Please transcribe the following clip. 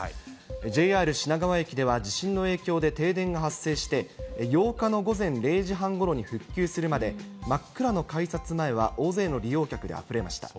ＪＲ品川駅では地震の影響で停電が発生して、８日の午前０時半ごろに復旧するまで、真っ暗の改札前は大勢の利用客であふれました。